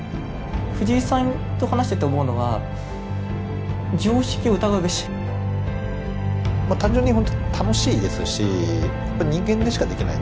藤井さんと話してて思うのは単純に楽しいですし人間でしかできない。